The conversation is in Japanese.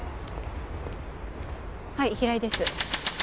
はい平井です。